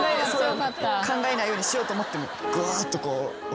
考えないようにしようと思ってもぐわっとこう襲い掛かってくる。